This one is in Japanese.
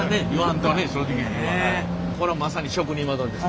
これはまさに職人技です。